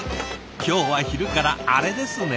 今日は昼からアレですね！